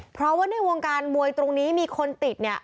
เพราะว่าในวงการมวยตรงนี้มีคนติดเนี่ย